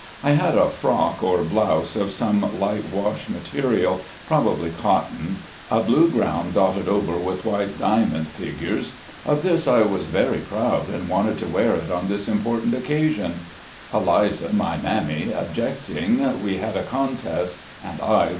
I had a frock or blouse of some light wash material, probably cotton, a blue ground dotted over with white diamond figures. Of this I was very proud, and wanted to wear it on this impor tant occasion. Eliza, my "mammy," objecting, we had a contest and I won.